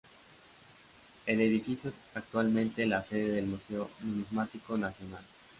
El edificio es actualmente la sede del Museo Numismático Nacional.